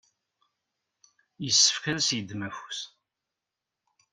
yessefk ad s-yeddem afus.